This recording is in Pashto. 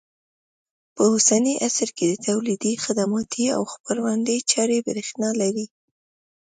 په اوسني عصر کې د تولیدي، خدماتي او خپرندوی چارې برېښنا لري.